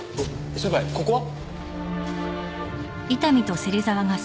先輩ここは？